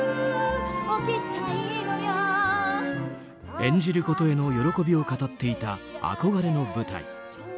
演じることへの喜びを語っていた憧れの舞台。